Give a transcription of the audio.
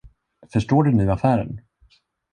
Förstår du nu affären?